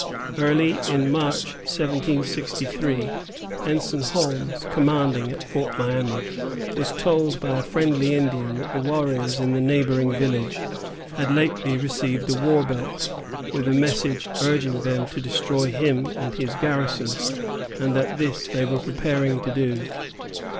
Early in March, 1763, Ensign Holmes, commanding at Fort Miami, was told by a friendly Indian that the warriors in the neighboring village had lately received a war belt, with a message urging them to destroy him and his garrison, and that this they were preparing to do.